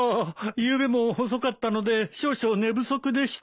ゆうべも遅かったので少々寝不足でして。